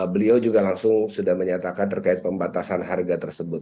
beliau juga langsung sudah menyatakan terkait pembatasan harga tersebut